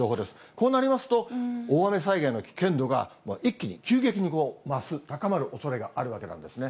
こうなりますと、大雨災害の危険度が一気に急に増す、高まるおそれがあるわけなんですね。